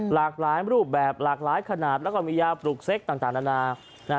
หลากหลายรูปแบบหลากหลายขนาดแล้วก็มียาปลุกเซ็กต่างนานา